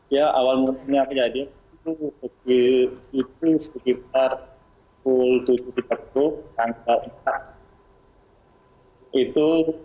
ya awal mulanya apa jadi itu sekitar pukul tujuh tiga puluh kantor itu